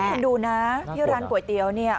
คุณดูนะที่ร้านก๋วยเตี๋ยวเนี่ย